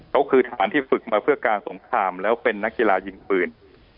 เขาคือทหารที่ฝึกมาเพื่อการสงครามแล้วเป็นนักกีฬายิงปืน